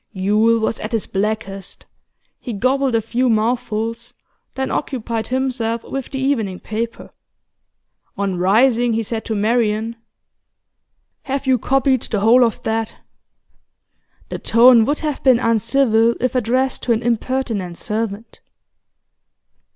Yule was at his blackest; he gobbled a few mouthfuls, then occupied himself with the evening paper. On rising, he said to Marian: 'Have you copied the whole of that?' The tone would have been uncivil if addressed to an impertinent servant.